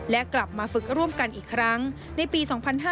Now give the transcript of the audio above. และกลับมาฝึกร่วมกันอีกครั้งในปี๒๕๕๙